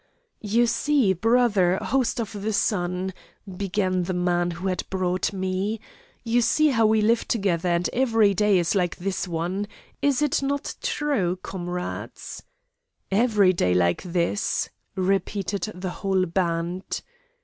"'You see, brother host of the Sun,' began the man who had brought me, 'You see how we live together, and every day is like this one. Is it not true, comrades?' "'Every day like this!' repeated the whole band.